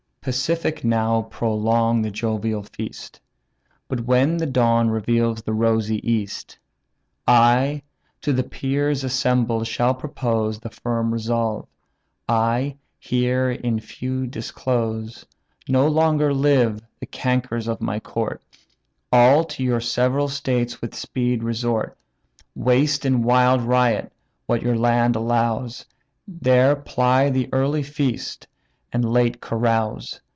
Pacific now prolong the jovial feast; But when the dawn reveals the rosy east, I, to the peers assembled, shall propose The firm resolve, I here in few disclose; No longer live the cankers of my court; All to your several states with speed resort; Waste in wild riot what your land allows, There ply the early feast, and late carouse.